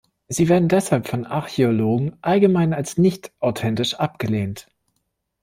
Sie werden deshalb von Archäologen allgemein als nicht authentisch abgelehnt.